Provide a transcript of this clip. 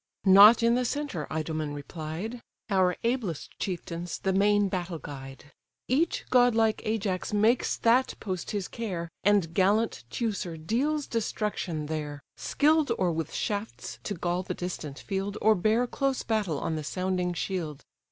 "Not in the centre (Idomen replied:) Our ablest chieftains the main battle guide; Each godlike Ajax makes that post his care, And gallant Teucer deals destruction there, Skill'd or with shafts to gall the distant field, Or bear close battle on the sounding shield.